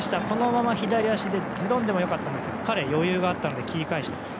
このまま左足でズドンでも良かったんですが彼は余裕があったのでそのまま切り返した。